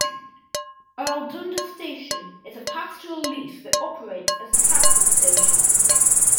Erldunda Station is a pastoral lease that operates as a cattle station.